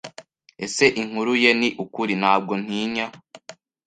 "Ese inkuru ye ni ukuri?" "Ntabwo ntinya."